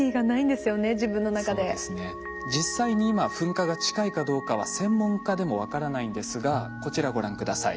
実際に今噴火が近いかどうかは専門家でも分からないんですがこちらご覧下さい。